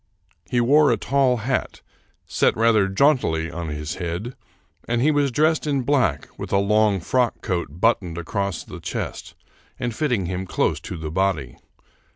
He wore a tall hat, set rather jauntily on his head, and he was dressed in black with a long frock coat but toned across the chest and fitting him close to the body.